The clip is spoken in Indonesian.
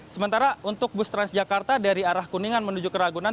sementara untuk bus transjakarta dari arah kuningan menuju keragunan